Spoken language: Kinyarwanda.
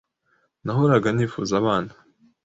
Nahoraga nifuza abana.